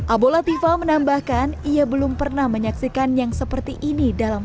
abu latifa menambahkan ia belum pernah menyaksikan yang seperti ini dalam